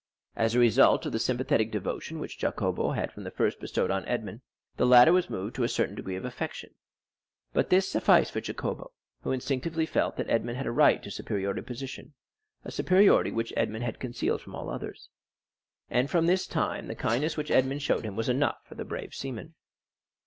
As a result of the sympathetic devotion which Jacopo had from the first bestowed on Edmond, the latter was moved to a certain degree of affection. But this sufficed for Jacopo, who instinctively felt that Edmond had a right to superiority of position—a superiority which Edmond had concealed from all others. And from this time the kindness which Edmond showed him was enough for the brave seaman.